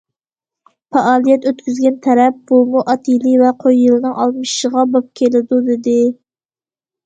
پائالىيەت ئۆتكۈزگەن تەرەپ بۇمۇ ئات يىلى ۋە قوي يىلىنىڭ ئالمىشىشىغا باب كېلىدۇ دېدى.